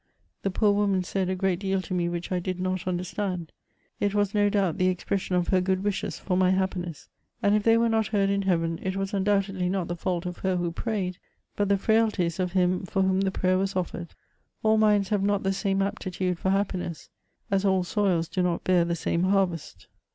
The poor woman said a great deal to me which I did not under stand ; it was, no doubt, the expression of her good wishes for my happiness ; and if they were not heard in Heaven, it was un doubtedly not the fault of her who prayed, but the frailties of him for whom the prayer was offered. All minds have not the same aptitude for happmess, as all soils do not bear the same harvest.